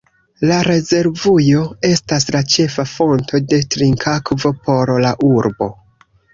La rezervujo estas la ĉefa fonto de trinkakvo por la urbo.